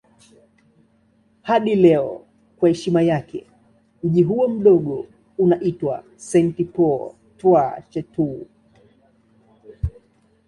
Hadi leo kwa heshima yake mji huo mdogo unaitwa St. Paul Trois-Chateaux.